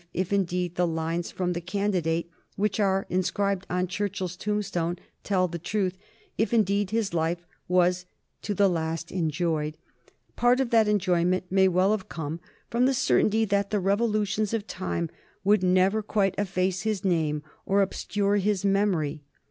If indeed the lines from "The Candidate" which are inscribed on Churchill's tombstone tell the truth, if indeed his life was "to the last enjoyed," part of that enjoyment may well have come from the certainty that the revolutions of time would never quite efface his name or obscure his memory.